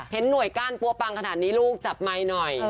หน่วยก้านปั๊วปังขนาดนี้ลูกจับไมค์หน่อย